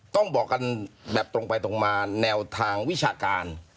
ต้องบอกกันแบบตรงไปตรงมาแนวทางวิชาการ